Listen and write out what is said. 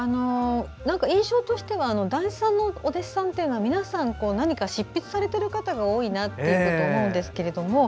印象としては談志さんのお弟子さんって皆さん、何か執筆されている方が多いなと思うんですけども。